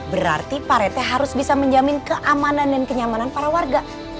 berarti pak rete harus bisa menjamin keamanan dan kenyamanan para warga